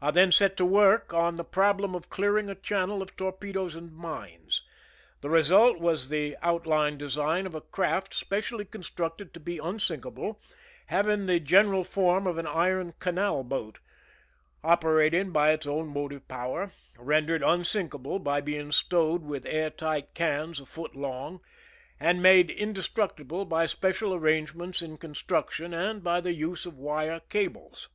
I then had set to work on the problem of clearing a channel of torpedoes and mines. The result was the outline design of a craft specially constructed to be unsinkable, having the general form of an iron canal boat, operating by its own motive power, rendered unsinkable by being stowed with air tight cans a foot long, and made indestructible by special arrangements in construction and by the use of wire cables.